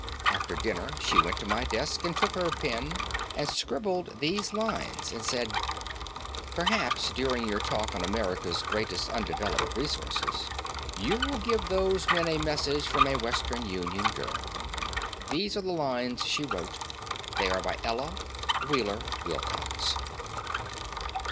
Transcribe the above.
After dinner she went to my desk and took her pen and scribbled these lines and said: "Perhaps during your talk on America's Greatest Undeveloped Resources you will give those men a message from a Western Union girl." These are the lines she wrote. They are by Ella Wheeler Wilcox.